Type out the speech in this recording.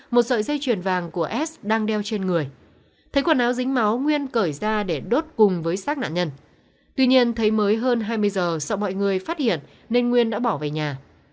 một sợi dây chuyền vàng của s đang đeo trên người thấy quần áo dính máu nguyên cởi ra để đốt cùng với sát nạn nhân tuy nhiên thấy mới hơn hai mươi giờ sợ mọi người phát hiện nên nguyên đã bỏ về nhà